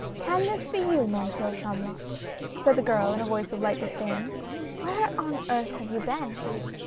"Can this be you. Monsieur Chamulot?" said the girl in a voice of light disdain. " Where on earth have you been